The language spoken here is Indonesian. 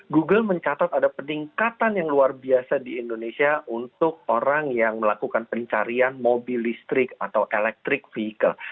google mencatat ada peningkatan yang luar biasa di indonesia untuk orang yang melakukan pencarian mobil listrik atau electric vehicle